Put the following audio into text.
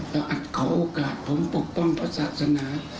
อาจขอโอกาสผมปกป้องพระศาสนา